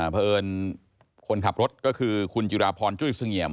เผริญคนขับรถก็คือคุณจิราภรณจุฬิกษิงเหยียม